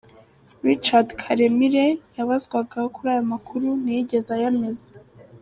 Richard Karemire yabazwaga kuri aya makuru, ntiyigeze ayameza.